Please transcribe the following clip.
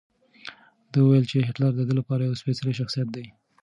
ده وویل چې هېټلر د ده لپاره یو سپېڅلی شخصیت دی.